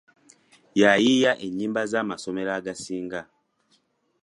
Yayiiya ennyimba z'amasomero agasinga.